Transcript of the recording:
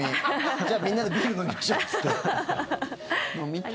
じゃあ、みんなでビール飲みましょうって。